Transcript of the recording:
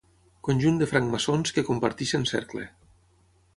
Conjunt de francmaçons que comparteixen cercle.